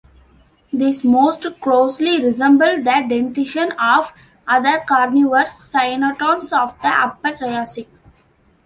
These most closely resemble the dentition of other carnivorous cynodonts of the Upper Triassic.